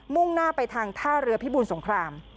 ่งหน้าไปทางท่าเรือพิบูรสงคราม